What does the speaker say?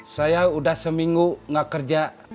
saya udah seminggu gak kerja